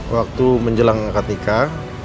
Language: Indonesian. waktu menjelang akad nikah